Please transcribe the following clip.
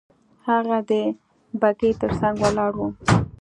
هغه د بګۍ تر څنګ ولاړ وو.